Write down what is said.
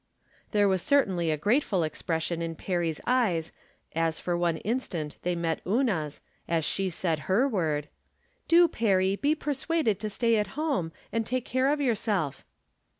There was certainly a grateful expression in Perry's eyes as for one instant they met Una's, as she added her word :" Do, Perry, be persuaded to stay at home, and take care of yourself."